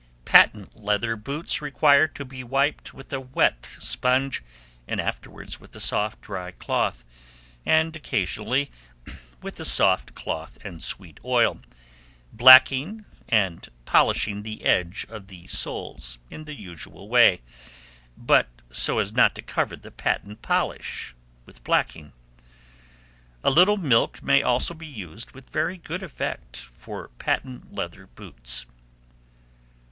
Patent leather boots require to be wiped with a wet sponge, and afterwards with a soft dry cloth, and occasionally with a soft cloth and sweet oil, blacking and polishing the edge of the soles in the usual way, but so as not to cover the patent polish with blacking. A little milk may also be used with very good effect for patent leather boots.